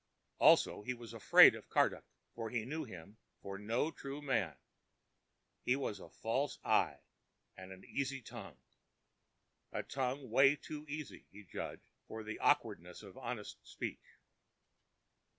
Also, he was afraid of Karduk, for he knew him for no true man. His was a false eye, and an easy tongue—a tongue too easy, he judged, for the awkwardness of honest speech.